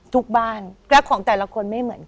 ทุกบ้านรักของแต่ละคนไม่เหมือน